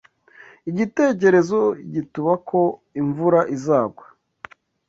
igitekerezo igituba ko imvura izagwa.